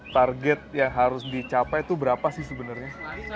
target yang harus dicapai itu berapa sih sebenarnya